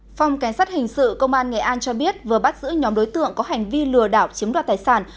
phòng cảnh sát hình sự công an nghệ an cho biết vừa bắt giữ nhóm đối tượng có hành vi lừa đảo chiếm đoạt tài sản